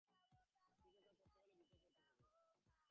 কিছু একটা করতে হলে দ্রুত করতে হবে।